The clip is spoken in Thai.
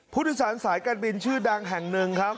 ผู้โดยสารสายการบินชื่อดังแห่งหนึ่งครับ